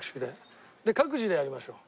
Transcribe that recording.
各自でやりましょう。